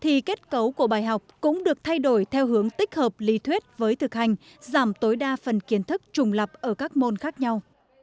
thì kết cấu của bài học cũng được thay đổi theo hướng tích hợp lý thuyết với thực hành giảm tối đa phần kiến thức trùng lập ở các môn khác nhau